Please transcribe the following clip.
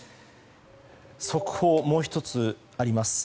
速報、もう１つあります。